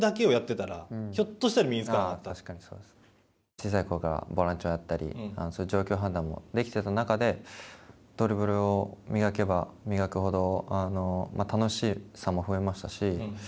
小さいころからボランチをやったり状況判断もできてた中でドリブルを磨けば磨くほど楽しさも増えましたし